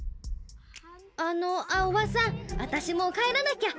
あのあおばさんあたしもう帰らなきゃ。